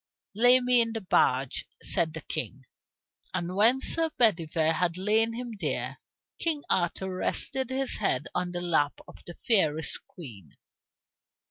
"Lay me in the barge," said the King. And when Sir Bedivere had laid him there, King Arthur rested his head on the lap of the fairest queen.